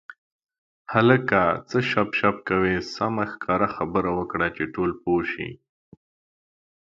هلکه څه شپ شپ کوې سمه ښکاره خبره وکړه چې ټول پوه شي.